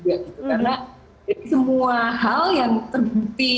karena semua hal yang terbukti